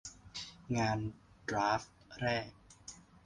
งานดราฟแรก